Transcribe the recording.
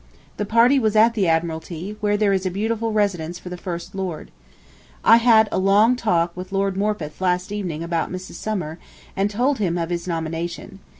The party was at the Admiralty, where there is a beautiful residence for the first lord. ... I had a long talk with Lord Morpeth last evening about Mr. Sumner, and told him of his nomination.